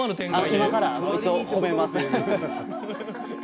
今から一応褒めます。